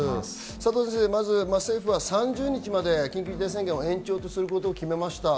佐藤先生、まず政府は３０日まで緊急事態宣言を延長することを決めました。